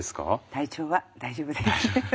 体調は大丈夫です。